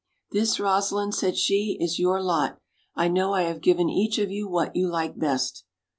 "This, Rosa lind," said she, "is your lot; I know I have given each of you what you like best."